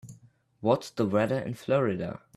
What's the weather in Florida?